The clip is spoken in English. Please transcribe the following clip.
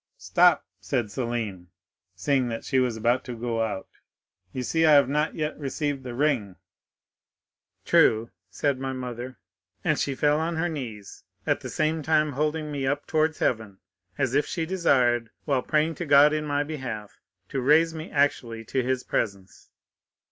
'Stop,' said Selim, seeing that she was about to go out; 'you see I have not yet received the ring,'—'True,' said my mother. And she fell on her knees, at the same time holding me up towards heaven, as if she desired, while praying to God in my behalf, to raise me actually to his presence."